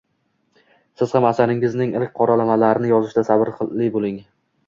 Siz ham asaringizning ilk qoralamalarini yozishda sabrli bo’ling